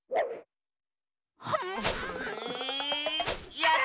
やった！